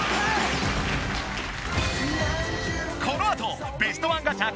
このあとベストワンガチャ！